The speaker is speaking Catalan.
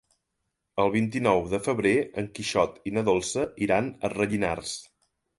El vint-i-nou de febrer en Quixot i na Dolça iran a Rellinars.